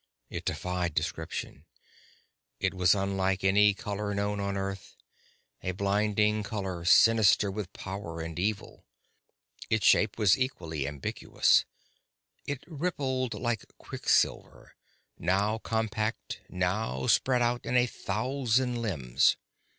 It defied description. It was unlike any color known on Earth, a blinding color sinister with power and evil. Its shape was equally ambiguous it rippled like quicksilver, now compact, now spread out in a thousand limbs.